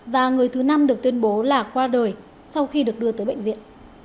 và người thứ năm được tuyên bố là qua đời sau khi được đưa tới bệnh viện